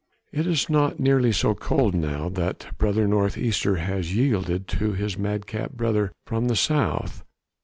It is not nearly so cold now that brother north easter has yielded to his madcap brother from the south!